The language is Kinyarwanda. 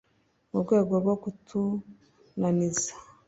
mu rwego rwo kutunaniza